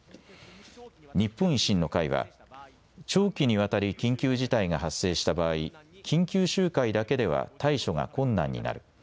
日本維新の会は長期にわたり緊急事態が発生した場合緊急集会だけでは対処が困難になる。